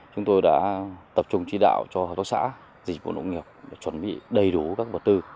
chúng tôi đã tập trung chỉ đạo cho hợp tác xã dịch vụ nông nghiệp chuẩn bị đầy đủ các vật tư